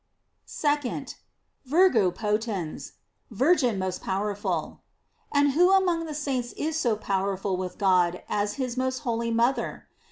2d. "Virgo potens:" Virgin most powerful. And who among the saints is so powerful with God as his most holy mother